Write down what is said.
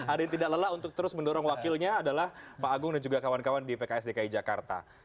ada yang tidak lelah untuk terus mendorong wakilnya adalah pak agung dan juga kawan kawan di pks dki jakarta